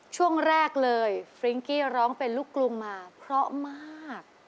ช่วงแรกเลยฟริ้งกี้ร้องเป็นลูกกรุงมาเพราะมาก